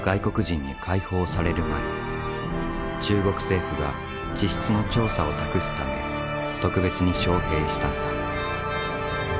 中国政府が地質の調査を託すため特別に招へいしたのだ。